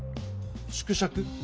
縮尺？